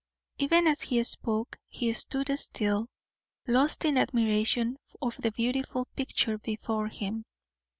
Even as he spoke he stood still, lost in admiration of the beautiful picture before him.